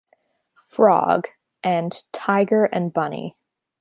Frog", and "Tiger and Bunny".